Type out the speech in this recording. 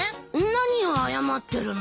何を謝ってるんだ？